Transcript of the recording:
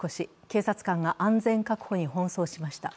警察官が安全確保に奔走しました。